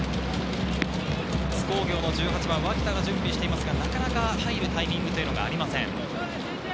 津工業の１８番・脇田が準備していますが、なかなか入るタイミングがありません。